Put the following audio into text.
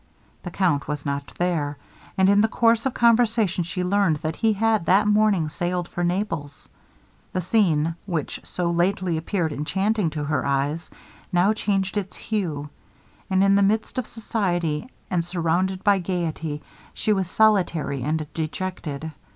The Count was not there, and in the course of conversation, she learned that he had that morning sailed for Naples. The scene which so lately appeared enchanting to her eyes, now changed its hue; and in the midst of society, and surrounded by gaiety, she was solitary and dejected.